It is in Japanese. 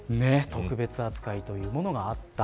特別扱いというものがあった。